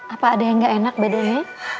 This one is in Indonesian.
apa ada yang gak enak badannya